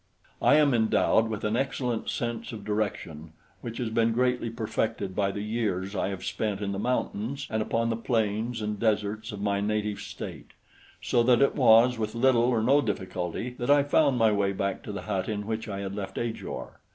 I am endowed with an excellent sense of direction, which has been greatly perfected by the years I have spent in the mountains and upon the plains and deserts of my native state, so that it was with little or no difficulty that I found my way back to the hut in which I had left Ajor.